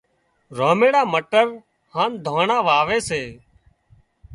راميڙا مٽر هانَ داڻا واوي سي